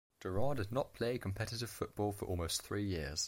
Durrant did not play competitive football for almost three years.